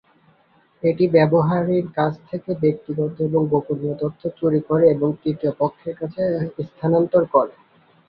এটি ব্যবহারকারীর কাছ থেকে ব্যক্তিগত এবং গোপনীয় তথ্য চুরি করে এবং তৃতীয় পক্ষের কাছে স্থানান্তর করে।